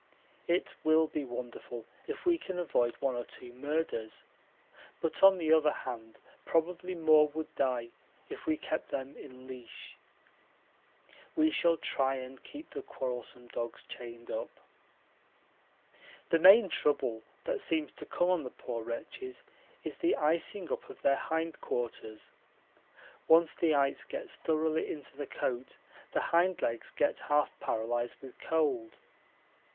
It will be wonderful if we can avoid one or two murders, but on the other hand probably more would die if we kept them in leash. We shall try and keep the quarrelsome dogs chained up. The main trouble that seems to come on the poor wretches is the icing up of their hindquarters; once the ice gets thoroughly into the coat the hind legs get half paralysed with cold.